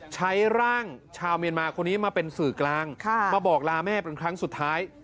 ใช้ร่างชาวเมียนมาคนนี้มาเป็นสื่อกลางมาบอกลาแม่เป็นครั้งสุดท้าย